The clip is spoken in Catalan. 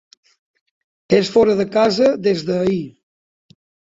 És fora de casa des d'ahir.